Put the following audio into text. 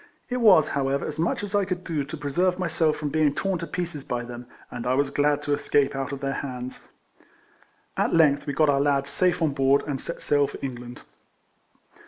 It was, however, as much as I could do to preserve myself from being torn to pieces by them, and I was glad to escape out of their hands. At length we got our lads safe on board, and set sail for England.